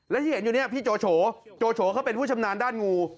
และที่เห็นอยู่เนี่ยพี่โจโฉโจโฉเขาเป็นผู้ชำนาญด้านงู